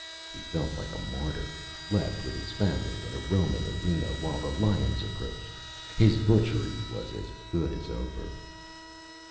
He felt like a martyr, left with his family in a Roman arena, while the lions approached. His butchery was as good as over....